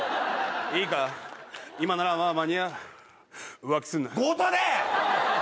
いいか今ならまだ間に合う浮気すんな強盗だよ！